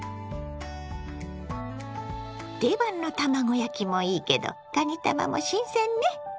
定番の卵焼きもいいけどかにたまも新鮮ね。